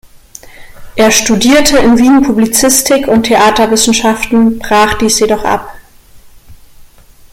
Er studierte in Wien Publizistik und Theaterwissenschaften, brach dies jedoch ab.